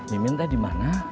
mimin tadi mana